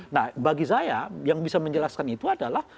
nah bagi saya yang bisa menjelaskan itu adalah